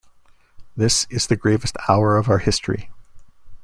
This is the gravest hour of our history.